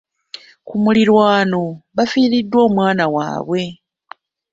Ku muliraano baafiiriddwa omwana waabwe.